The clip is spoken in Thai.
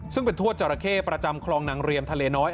ซึ่งเป็นทวดจราเข้ประจำคลองนางเรียมทะเลน้อย